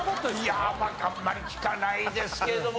いやあんまり聞かないですけども。